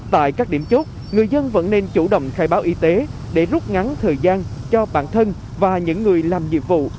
tại các điểm chốt người dân vẫn nên chủ động khai báo y tế để rút ngắn thời gian cho bản thân và những người làm nhiệm vụ